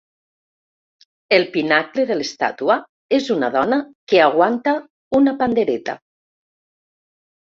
El pinacle de l'estàtua és una dona que aguanta una pandereta.